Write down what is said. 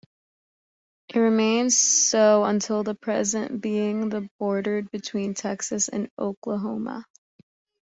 It remains so until the present, being the border between Texas and Oklahoma.